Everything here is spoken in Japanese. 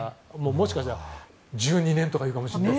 もしかしたら１２年とかいうかもしれない。